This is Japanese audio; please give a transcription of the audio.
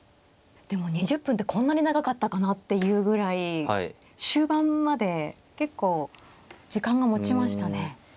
でも２０分ってこんなに長かったかなっていうぐらい終盤まで結構時間がもちましたね。